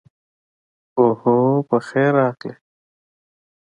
اوهو، پخیر راغلې.